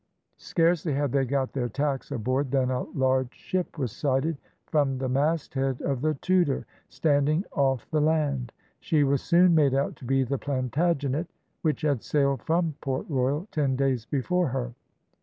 Scarcely had they got their tacks aboard than a large ship was sighted from the masthead of the Tudor, standing off the land. She was soon made out to be the Plantagenet, which had sailed from Port Royal ten days before her.